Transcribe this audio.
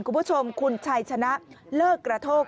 คุณผู้ชมคุณชัยชนะเลิกกระโทก